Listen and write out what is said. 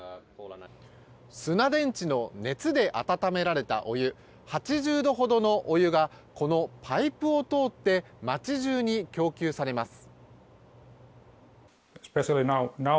砂電池の熱で温められたお湯８０度ほどのお湯がこのパイプを通って街中に供給されます。